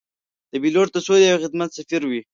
پیلوټ د سولې او خدمت سفیر وي.